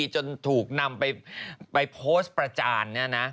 จนถูกนำไปโพสต์ประจาน